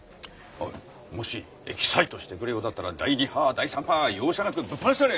おいもしエキサイトしてくるようだったら第二波第三波容赦なくぶっ放してやれ！